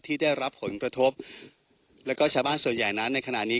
ที่ได้รับผลกระทบแล้วก็ชาวบ้านส่วนใหญ่นั้นในขณะนี้